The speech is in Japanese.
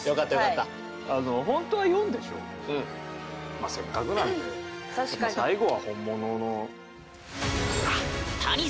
まあせっかくなんでやっぱ最後は本物の。